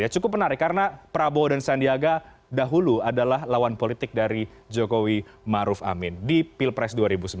cukup menarik karena prabowo dan sandiaga dahulu adalah lawan politik dari jokowi maruf amin di pilpres dua ribu sembilan belas